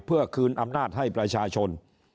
เพื่อคืนอำนาจให้ประชาชน